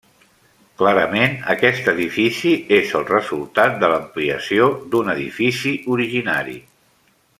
Clarament aquest edifici és el resultat de l'ampliació d'un edifici originari.